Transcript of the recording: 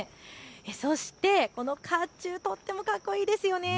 そしてかっちゅう、とってもかっこいいですよね。